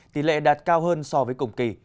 tỷ lệ đạt cao hơn so với cùng kỳ